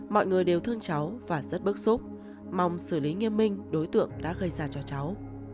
mọi người đều thương cháu và rất bức xúc mong xử lý nghiêm minh đối tượng đã gây ra cho cháu